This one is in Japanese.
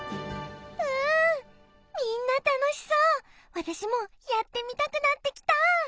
わたしもやってみたくなってきた！